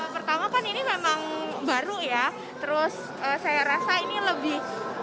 pertama kan ini memang baru ya terus saya rasa ini lebih